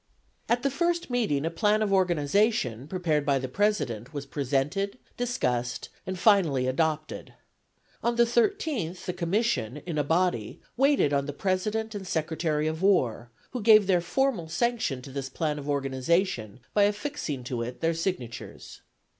At the first meeting a "Plan of Organization," prepared by the president, was presented, discussed and finally adopted. On the 13th the Commission, in a body, waited on the President and Secretary of War, who gave their formal sanction to this plan of organization by affixing to it their signatures.